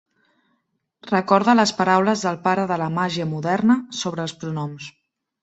Recorda les paraules del pare de la màgia moderna sobre els pronoms.